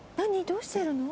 どうしてるの？